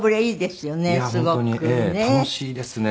いや本当に楽しいですね